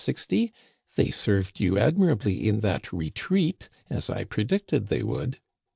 They served you admirably in that retreat, as I predicted they would."